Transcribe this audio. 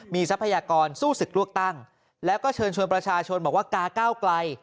มีทรัพยากรสู้ศึกเลือกตั้งแล้วก็เชิญชวนประชาชนบอกว่ากาก้าวไกล